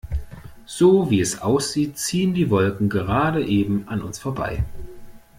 So, wie es aussieht, ziehen die Wolken gerade eben an uns vorbei.